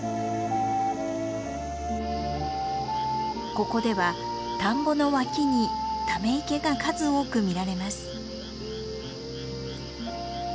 ここでは田んぼの脇にため池が数多く見られます。